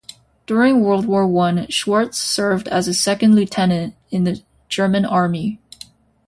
During World War One, Schwarz served as a second lieutenant in the German Army.